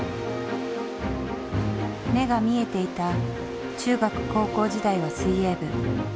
目が見えていた中学高校時代は水泳部。